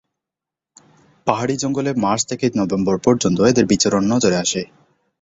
পাহাড়ি জঙ্গলে মার্চ থেকে নভেম্বর পর্যন্ত এদের বিচরণ নজরে আসে।